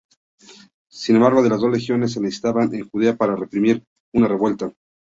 Sin embargo, las dos legiones se necesitaban en Judea para reprimir una revuelta.